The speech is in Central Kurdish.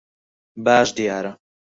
باش دیارە.